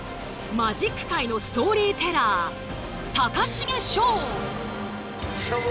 マジック界のストーリーテラー高重翔。